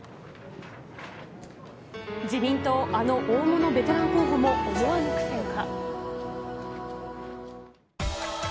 自民党、あの大物ベテラン候補も思わぬ苦戦か。